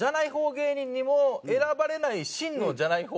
芸人にも選ばれない真のじゃない方